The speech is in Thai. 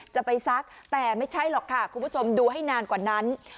จะไปซักแต่ไม่ใช่หรอกค่ะคุณผู้ชมดูให้นานกว่านั้น